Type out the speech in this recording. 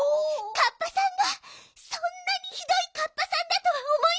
カッパさんがそんなにひどいカッパさんだとはおもいませんでした！